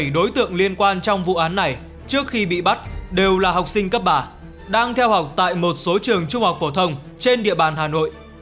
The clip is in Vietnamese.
bảy mươi đối tượng liên quan trong vụ án này trước khi bị bắt đều là học sinh cấp ba đang theo học tại một số trường trung học phổ thông trên địa bàn hà nội